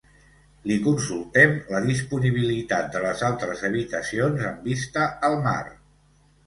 Li consultem la disponibilitat de les altres habitacions amb vista al mar.